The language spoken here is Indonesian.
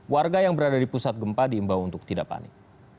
warga yang berada di pusat gempa diimbau untuk tidak panik